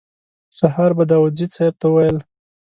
سهار به داوودزي صیب ته ویل.